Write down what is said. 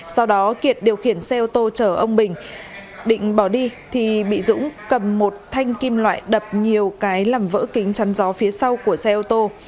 sau đó kiệt điều khiển xe ô tô chở ông bình định bỏ đi thì bị dũng cầm một thanh kim loại đập nhiều cái làm vỡ kính chăn gió phía sau của xe ô tô